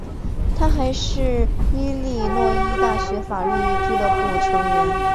他还是伊利诺伊大学法律俱乐部成员。